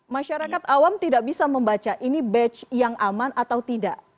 masyarakat awam tidak bisa membaca ini batch yang aman atau tidak